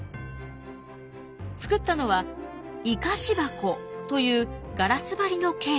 作ったのは活かし箱というガラス張りのケース。